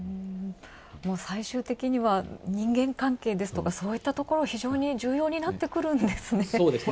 最終的には人間関係ですとかそういったところ、非常に重要になってくるんですね。